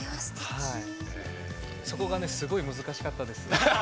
そこがすごい難しかったです。